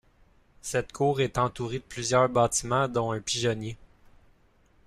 Cette cour est entourée de plusieurs bâtiments dont un pigeonnier.